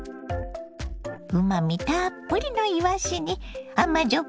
うまみたっぷりのいわしに甘じょ